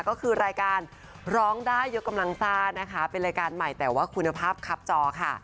ก็คือรายการร้องได้ยกกำลังซ่านะคะเป็นรายการใหม่แต่ว่าคุณภาพคับจอค่ะ